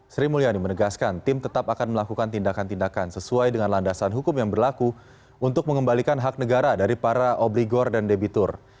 sri mulyani menegaskan tim tetap akan melakukan tindakan tindakan sesuai dengan landasan hukum yang berlaku untuk mengembalikan hak negara dari para obligor dan debitur